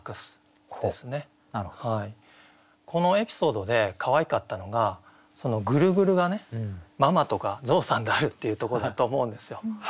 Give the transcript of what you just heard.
このエピソードでかわいかったのがぐるぐるが「ママ」とか「ゾウさん」であるっていうとこだと思うんですよ。